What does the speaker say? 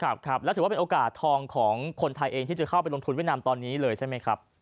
ครับครับแล้วถือว่าเป็นโอกาสทองของคนไทยเองที่จะเข้าไปลงทุนเวียดนามตอนนี้เลยใช่ไหมครับ